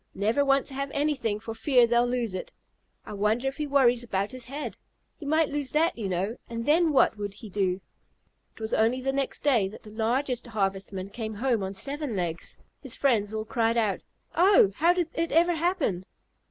Never want to have anything for fear they'll lose it. I wonder if he worries about his head? He might lose that, you know, and then what would he do?" It was only the next day that the largest Harvestman came home on seven legs. His friends all cried out, "Oh, how did it ever happen?"